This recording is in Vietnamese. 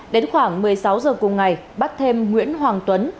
đến khoảng một mươi sáu h cùng ngày bắt thêm nguyễn hoàng tuấn